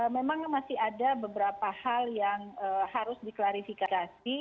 memang masih ada beberapa hal yang harus diklarifikasi